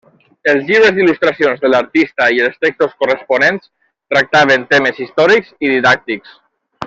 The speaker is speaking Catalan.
Els llibres d'il·lustracions de l'artista i els textos corresponents tractaven temes històrics i didàctics.